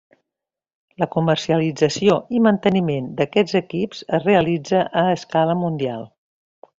La comercialització i manteniment d'aquests equips es realitza a escala mundial.